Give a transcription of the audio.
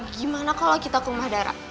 gimana kalo kita ke rumah dara